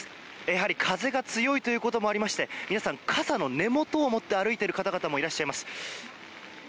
やはり風が強いということもありまして皆さん、傘の根元を持って歩いている方々もいらっしゃいます。